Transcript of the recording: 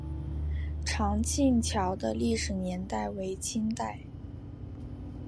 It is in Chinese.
长庆桥的历史年代为清代。